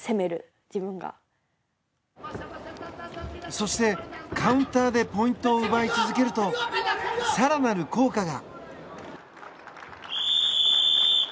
そして、カウンターでポイントを奪い続けると更なる効果が。